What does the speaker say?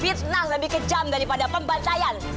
fitnah lebih kejam daripada pembacaan